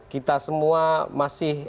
kita semua masih